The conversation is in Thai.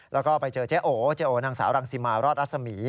แล้วก็ไปเจอเจ๊โอเจ๊โอนางสาวรังสิมารอดรัศมี